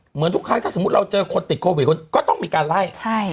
เหมือนทุกครั้งถ้าสมมุติเราเจอคนติดโควิดคนก็ต้องมีการไล่